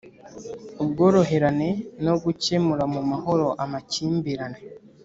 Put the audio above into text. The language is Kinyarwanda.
Ubworoherane no gukemura mu mahoro amakimbirane